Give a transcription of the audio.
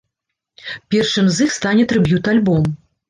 Першым з іх стане трыб'ют-альбом.